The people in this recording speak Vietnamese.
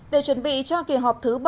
để chuẩn bị cho kỳ họp thứ bảy